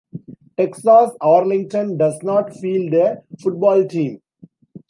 Texas-Arlington does not field a football team.